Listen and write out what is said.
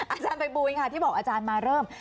อาจารย์ไปบุวิ่งค่ะที่บอกอาจารย์มาเริ่ม